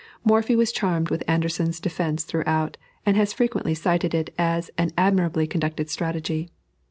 Morphy was charmed with Anderssen's defence throughout, and has frequently cited it as an admirably conducted strategy.